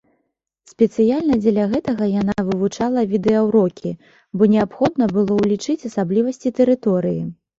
Спецыяльна дзеля гэтага яна вывучала відэаўрокі, бо неабходна было ўлічыць асаблівасці тэрыторыі.